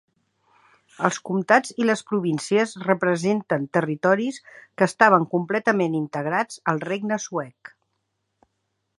Els comtats i les províncies representen territoris que estaven completament integrats al regne suec.